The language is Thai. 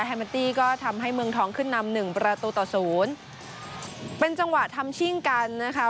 แมนตี้ก็ทำให้เมืองทองขึ้นนำหนึ่งประตูต่อศูนย์เป็นจังหวะทำชิ่งกันนะคะ